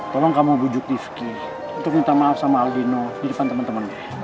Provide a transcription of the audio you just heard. tolong kamu bujuk rifki untuk minta maaf sama aldino di depan temen temennya